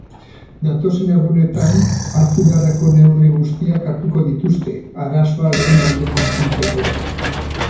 Datozen egunetan hartu beharreko neurri guztiak hartuko dituzte, arazoa lehenbailehen konpontzeko.